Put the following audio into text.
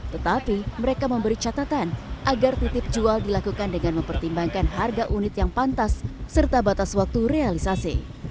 tetapi mereka memberi catatan agar titip jual dilakukan dengan mempertimbangkan harga unit yang pantas serta batas waktu realisasi